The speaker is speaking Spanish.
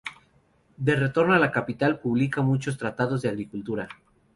De retorno a la capital, publica muchos tratados de agricultura.